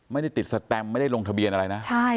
ไม่ได้ติดสแตมลงทะเบียนอะไรนะ